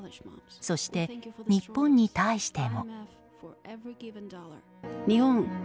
そして、日本に対しても。